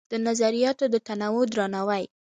د نظریاتو د تنوع درناوی